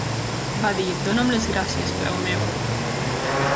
Va dir "Dona'm les gràcies, peu meu".